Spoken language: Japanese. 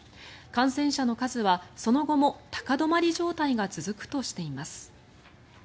感染者の数はその後も高止まり状態が続くとしています。